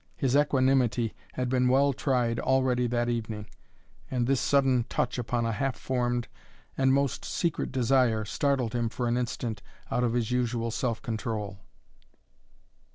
His equanimity had been well tried already that evening, and this sudden touch upon a half formed and most secret desire startled him for an instant out of his usual self control.